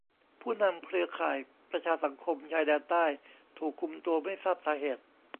ผู้นำเครือข่ายประชาสังคมชายแดนใต้ถูกคุมตัวไม่ทราบสาเหตุ